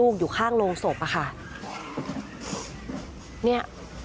คือตอนที่แม่ไปโรงพักที่นั่งอยู่ที่สพ